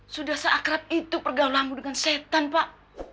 sudah seakrab itu pergaulanmu dengan setan pak